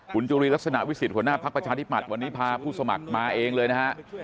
คุณจุรีลักษณะวิสิทธิหัวหน้าภักดิ์ประชาธิปัตย์วันนี้พาผู้สมัครมาเองเลยนะฮะ